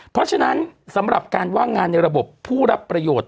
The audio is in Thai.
เพราะฉะนั้นสำหรับการว่างงานในระบบผู้รับประโยชน์